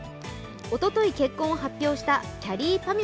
おととい結婚を発表したきゃりーぱみ